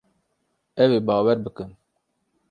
Ew ê bawer bikin.